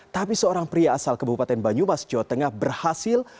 tapi seorang pria asal kebupaten banyumas jawa tengah berhasil